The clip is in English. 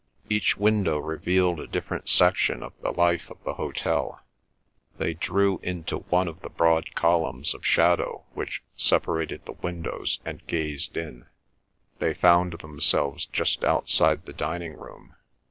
Each window revealed a different section of the life of the hotel. They drew into one of the broad columns of shadow which separated the windows and gazed in. They found themselves just outside the dining room.